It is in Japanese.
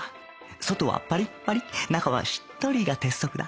外はパリッパリッ中はしっとりが鉄則だ